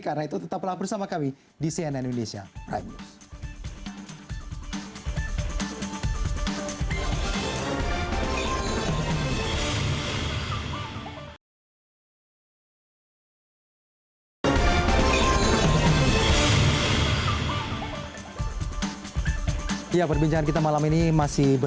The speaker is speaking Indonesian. karena itu tetap berlaku bersama kami di cnn indonesia prime news